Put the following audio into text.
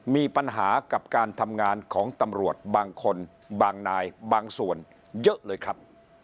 มีปัญหากับการทำงานของตำรวจบางคนบางนายบางส่วนเยอะเลยครับ